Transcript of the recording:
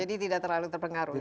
jadi tidak terlalu terpengaruh ya